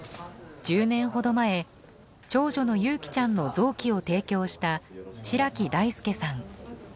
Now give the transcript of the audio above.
１０年ほど前長女の優希ちゃんの臓器を提供した白木大輔さん。